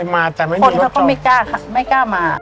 เคยมาแต่ไม่มีรถก่อนคนเขาก็ไม่กล้าค่ะไม่กล้ามา